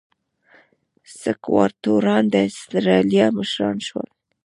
سکواټوران د اسټرالیا مشران شول.